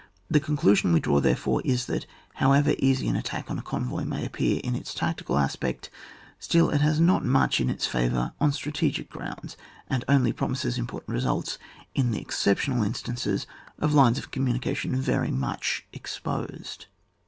The conclusion we draw, therefore, is that however easy an att€Lck on a convoy may appear in its tactical aspect, still it has not much in its favour on strategic grounds, and only promises important results in the exceptional instances of lines of communication very much exposed.